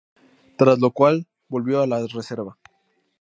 Tras lo cual, volvió a la reserva.